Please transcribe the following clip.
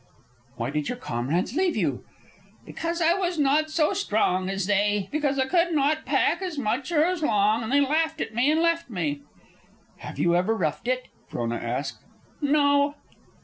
"Why did your comrades leave you?" "Because I was not so strong as they; because I could not pack as much or as long. And they laughed at me and left me." "Have you ever roughed it?" Frona asked. "No."